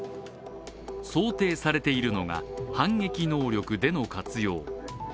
想定されているのが反撃能力での活用。